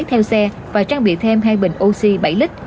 theo xe và trang bị thêm hai bình oxy bảy lít